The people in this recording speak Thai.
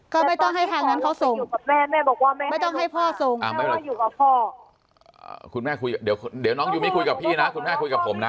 คุณแม่คุยเดี๋ยวน้องยูมิคุยกับพี่นะคุณแม่คุยกับผมนะ